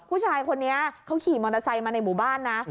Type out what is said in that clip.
ผู้ชายคนนี้เขาขี่มอเตอร์ไซค์มาในหมู่บ้านนะ